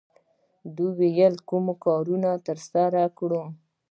دا وايي کوم کارونه ترسره کړو.